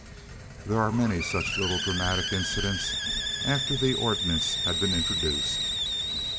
There were many such little dramatic incidents after the ordinance had been introduced.